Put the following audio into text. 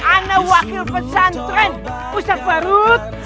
anak wakil pesantren ustah barut